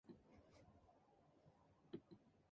The following were the members for Hamilton.